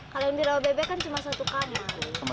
kalau di rauh bebek kan cuma satu kamar